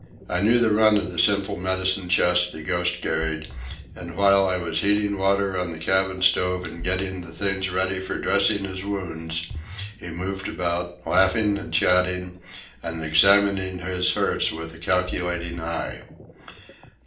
I knew the run of the simple medicine chest the Ghost carried, and while I was heating water on the cabin stove and getting the things ready for dressing his wounds, he moved about, laughing and chatting, and examining his hurts with a calculating eye.